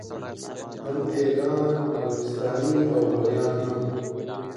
هم دېګان، نورستاني او ګوریان هم